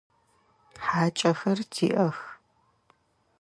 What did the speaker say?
ХьакӀэхэр тиӀэх.